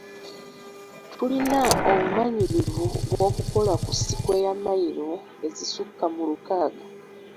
Tulina obumanyirivu bw’okukola ku sikweya mmayiro ezisukka mu lukaaga.